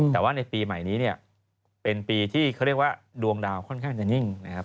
แต่ว่าในปีใหม่นี้เนี่ยเป็นปีที่เขาเรียกว่าดวงดาวค่อนข้างจะนิ่งนะครับ